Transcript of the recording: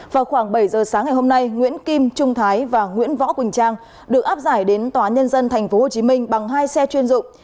vào khoảng bảy giờ sáng ngày hôm nay nguyễn kim trung thái và nguyễn võ quỳnh trang được áp giải đến tòa nhân dân tp hcm bằng hai xe chuyên dụng